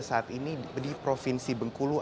saat ini di provinsi bengkulu